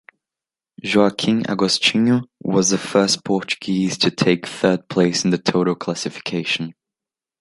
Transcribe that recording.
Joaquim Agostinho was the first Portuguese to take third place in the total classification.